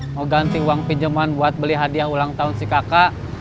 mau ganti uang pinjaman buat beli hadiah ulang tahun si kakak